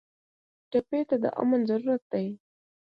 ټپي ته د امن ضرورت دی.